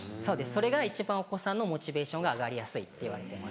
それが一番お子さんのモチベーションが上がりやすいっていわれてます。